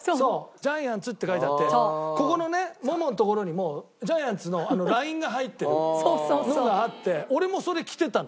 「ＧＩＡＮＴＳ」って書いてあってここのねもものところにもジャイアンツのラインが入ってるのがあって俺もそれ着てたの。